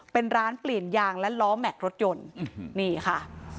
เป็นร้านเปลี่ยนยางและล้อแม็กซ์รถยนต์นี่ค่ะ